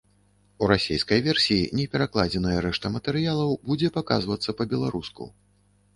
У расейскай версіі неперакладзеная рэшта матэрыялаў будзе паказвацца па-беларуску.